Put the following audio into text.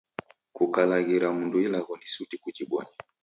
Kukalaghira mndu ilagho ni suti kujibonye.